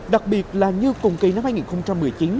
đặc biệt là như cùng kỳ năm hai nghìn một mươi chín